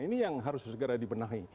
ini yang harus segera dibenahi